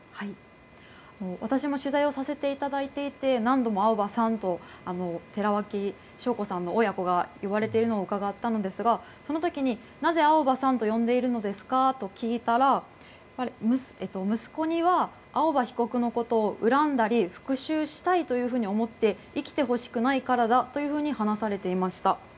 私も取材をさせていただいて何度も青葉さんと寺脇晶子さんの親子が言われているのを伺ったのですがその時に、なぜ青葉さんと呼んでいるのですか？と聞いたら息子には、青葉被告のことを恨んだり、復讐したいと思って生きてほしくないからだというふうに話していました。